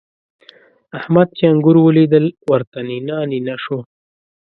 احمد چې انګور وليدل؛ ورته نينه نينه شو.